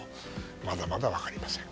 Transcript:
まだまだ分かりません。